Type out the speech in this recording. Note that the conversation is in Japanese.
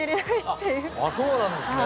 そうなんですね。